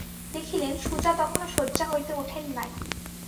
দেখিলেন, সুজা তখনো শয্যা হইতে উঠেন নাই।